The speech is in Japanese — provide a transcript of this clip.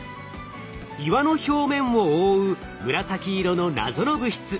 岩の表面を覆う紫色の謎の物質。